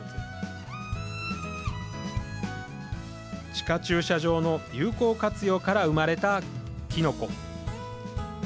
地下駐車場の有効活用から生まれたきのこ。